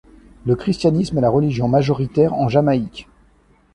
Le christianisme est la religion majoritaire en Jamaïque.